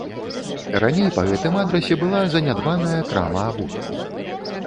Раней па гэтым адрасе была занядбаная крама абутку.